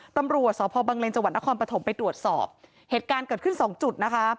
ตำรวจสพบังเลนจังหวัดนครปฐมไปตรวจสอบเหตุการณ์เกิดขึ้นสองจุดนะคะ